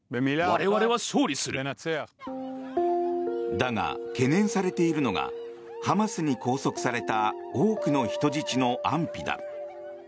だが、懸念されているのがハマスに拘束された多くの人質の安否だ。